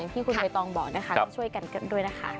ขอบคุณฮอยตองบอกนะคะช่วยกันด้วยนะคะ